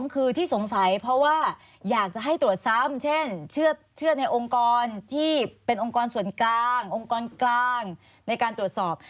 คือที่สงสัยเพราะว่าอยากจะให้ตรวจซ้ำเช่นเชื่อในองค์กรที่เป็นองค์กรส่วนกลางองค์กรกลางในการตรวจสอบ